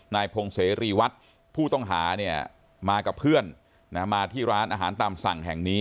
นายพงเสรีวัฒน์ผู้ต้องหาเนี่ยมากับเพื่อนมาที่ร้านอาหารตามสั่งแห่งนี้